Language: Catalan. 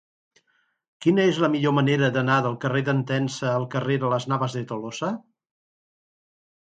Quina és la millor manera d'anar del carrer d'Entença al carrer de Las Navas de Tolosa?